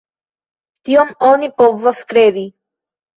Tion oni povas kredi.